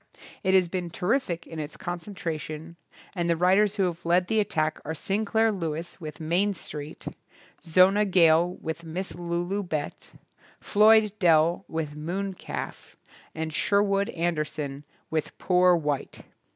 It has been terrific in its concentration, and the writers who have led the at tack are Sinclair Lewis with "Main Street", Zona Gale with "Miss Lulu Bett", Floyd Dell with "Moon CalT*, and Sherwood Anderson with "Poor White".